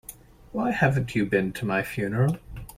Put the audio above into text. Why haven't you been to my funeral?